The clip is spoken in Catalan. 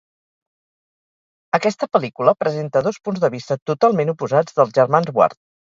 Aquesta pel·lícula presenta dos punts de vista totalment oposats dels germans Ward.